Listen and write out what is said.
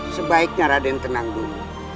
sebaiknya raden tenang dulu